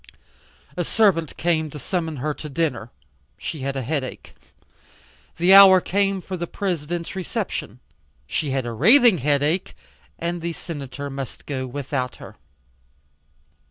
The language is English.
A servant came to summon her to dinner. She had a headache. The hour came for the President's reception. She had a raving headache, and the Senator must go without her.